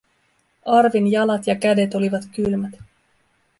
Arvin jalat ja kädet olivat kylmät.